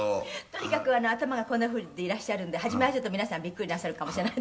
「とにかく頭がこんなふうでいらっしゃるんで初めはちょっと皆さんびっくりなさるかもしれない」